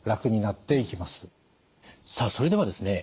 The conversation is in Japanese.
さあそれではですね